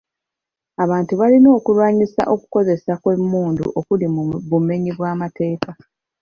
Abantu balina okulwanyisa okukozesa kw'emmundu okuli mu bumenyi bw'amateeka.